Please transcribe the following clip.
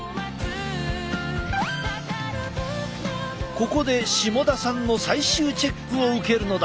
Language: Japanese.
ここで下田さんの最終チェックを受けるのだ。